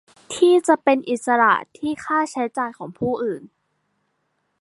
ที่จะเป็นอิสระที่ค่าใช้จ่ายของผู้อื่น